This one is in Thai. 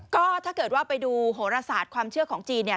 ก็ถ้าเกิดว่าไปดูโหรศาสตร์ความเชื่อของจีนเนี่ย